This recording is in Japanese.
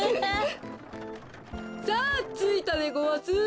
さあついたでごわす。